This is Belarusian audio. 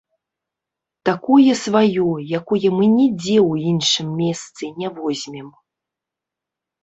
Такое сваё, якое мы нідзе ў іншым месцы не возьмем.